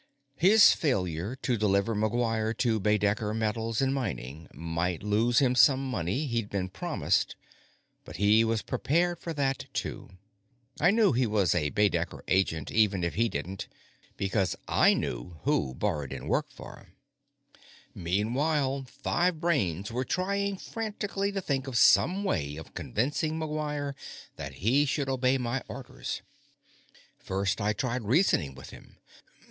His failure to deliver McGuire to Baedecker Metals & Mining might lose him some of the money he'd been promised, but he was prepared for that, too. I knew he was a Baedecker agent, even if he didn't, because I knew who Borodin worked for. Meanwhile, five brains were trying frantically to think of some way of convincing McGuire that he should obey my orders. First, I tried reasoning with him.